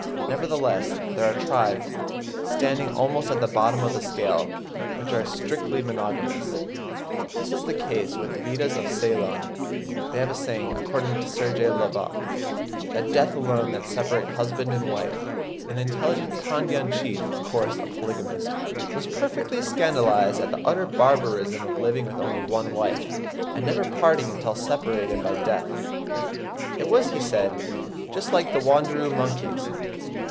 Nevertheless there are tribes, standing almost at the bottom of the scale, which are strictly monogamous. This is the case with the Veddahs of Ceylon: they have a saying, according to Sir J. Lubbock (11. 'Prehistoric Times,' 1869, p. 424.), "that death alone can separate husband and wife." An intelligent Kandyan chief, of course a polygamist, "was perfectly scandalised at the utter barbarism of living with only one wife, and never parting until separated by death." It was, he said, "just like the Wanderoo monkeys."